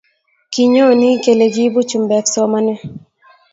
kinyoni kele kiibuu chumbek somanee